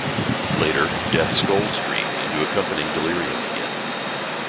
Later, Death scolds Dream into accompanying Delirium again.